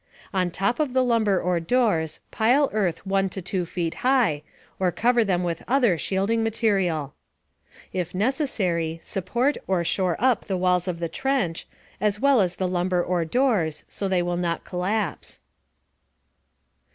On top of the lumber or doors, pile earth 1 to 2 feet high, or cover them with other shielding material. If necessary, support or "shore up" the walls of the trench, as well as the lumber or doors, so they will not collapse.